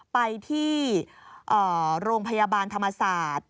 ไปที่โรงพยาบาลธรรมศาสตร์